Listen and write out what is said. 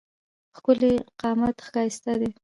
ښکېلی قامت ښایسته دی.